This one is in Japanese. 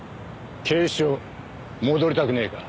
警視庁戻りたくねえか？